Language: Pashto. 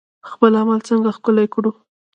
خپل عمل څنګه ښکلی کړو؟